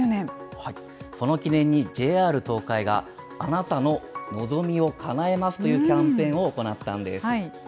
その記念にＪＲ東海が、あなたののぞみかなえますというキャンペーンを行ったんです。